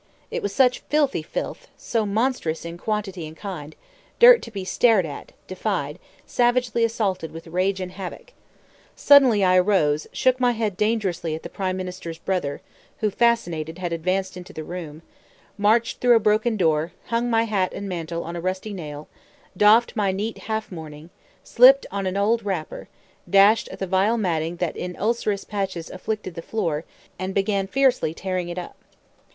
It was such filthy filth, so monstrous in quantity and kind, dirt to be stared at, defied, savagely assaulted with rage and havoc. Suddenly I arose, shook my head dangerously at the prime minister's brother, who, fascinated, had advanced into the room, marched through a broken door, hung my hat and mantle on a rusty nail, doffed my neat half mourning, slipped on an old wrapper, dashed at the vile matting that in ulcerous patches afflicted the floor, and began fiercely tearing it up.